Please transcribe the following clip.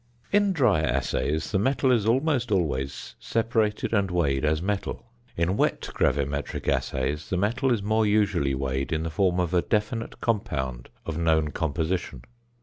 In dry assays the metal is almost always separated and weighed as metal; in wet gravimetric assays the metal is more usually weighed in the form of a definite compound of known composition.